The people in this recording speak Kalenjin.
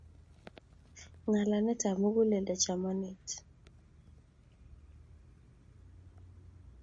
Ng'alanetab muguleldo chamanet